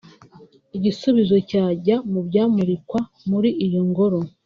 Igisubizo cyajya mu byamurikwa muri iyo ngoro